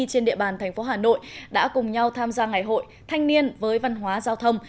trên địa bàn thành phố hà nội đã cùng nhau tham gia ngày hội thanh niên với văn hóa giao thông